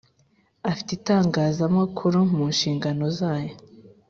Ifite itangazamakuru mu nshingano zayo